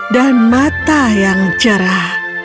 dan mata yang cerah